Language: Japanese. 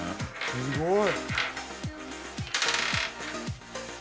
すごい。